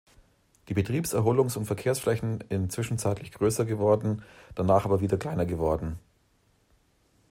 Die Betriebs-, Erholungs- und Verkehrsflächen in zwischenzeitlich größer geworden, danach aber wieder kleiner geworden.